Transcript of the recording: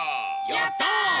やった！